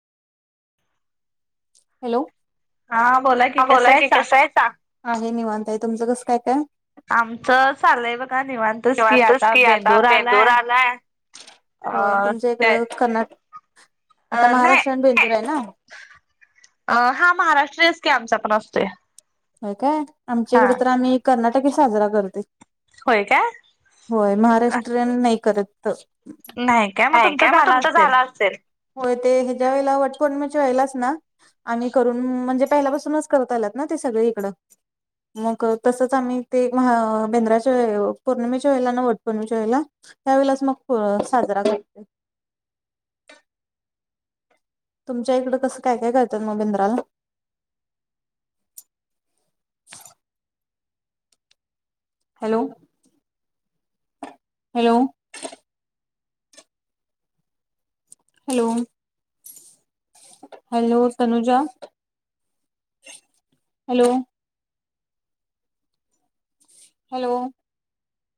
Hello. [inaudible] हा बोला की, कसंय सा? आहे निवांत आहे. तुमचं कसं काय काय? आमचं चालय बघा निवांतस, की आता बेंदूर आलाय. होय तुमच्या इकडं कर्नाट [inaudible] आता महाराष्ट्रीयन बेंदूर आहे ना. [inaudible] अ हा महाराष्ट्रीयनच की आमचा पण असतो. होय काय. आमच्याकडे तर आम्ही कर्नाटकी साजरा करतो. [inaudible] होय महाराष्ट्रीयन नाही करत अजून. नाय काय मग तुमचा झाला असेल. होय ते, ह्याच्या वेळेला वटपौर्णिमेच्या वेळेलाच ना. आम्ही करून, म्हणजे पहिल्यापासूनच करत आलात ना ते सगळे इकडं. मग तसंच आम्ही, ते महा बेंद्राच्या वे पौर्णिमेच्या वेळेला ना वट पौर्णमेच्या वेळेला त्यावेेळेच मग साजरा करतो तुमच्या इकडं कसं काय काय करतात मग बिंद्राला? Hello. Hello. Hello [inaudible] hello Tanuja [inaudible] hello hello